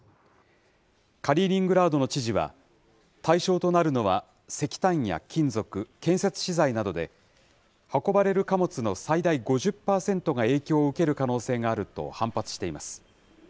カリーニングラードの知事は、対象となるのは石炭や金属、建設資材などで、運ばれる貨物の最大５０％が影響を受ける可能性があると反発しています。